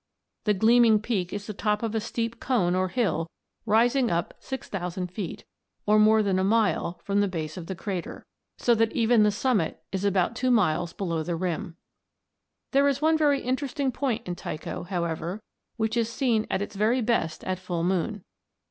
The gleaming peak is the top of a steep cone or hill rising up 6000 feet, or more than a mile from the base of the crater, so that even the summit is about two miles below the rim. "There is one very interesting point in Tycho, however, which is seen at its very best at full moon.